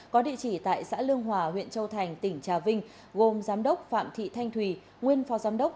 có địa chỉ tại xã lương hòa huyện châu thành tỉnh trà vinh gồm giám đốc phạm thị thanh thùy nguyên phó giám đốc